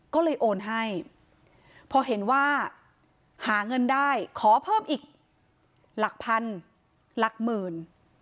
ก็เลยโอนให้พอเห็นว่าหาเงินได้ขอเพิ่มอีกหลักพันหลักหมื่น